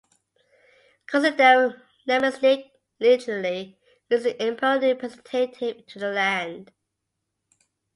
Gosudarev namestnik literally means an imperial representative to the land.